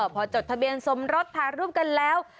พอจดทะเบียนสมรสถ่ายรูปกันแล้ว